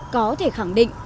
có thể khẳng định